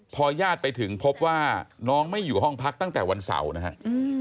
พอญาติไปถึงพบว่าน้องไม่อยู่ห้องพักตั้งแต่วันเสาร์นะครับ